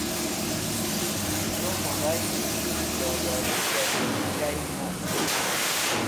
Dẽ z̃hũ meboyli yoddorig̃hẽr jay nast.